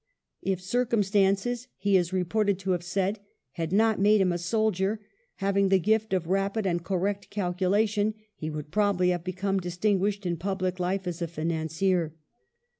If circumstances, he is reported to have said, had not made him a soldier, having the gift of rapid and correct calculation, he would probably have become distinguished in public life as a financier.